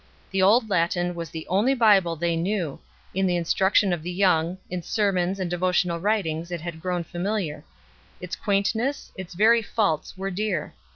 The Old Latin was the only Bible they knew; in the instruction of the young, in sermons and devotional writings, it had grown familiar ; its quaintness, its very faults were dear.